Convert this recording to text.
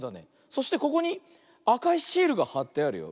そしてここにあかいシールがはってあるよ。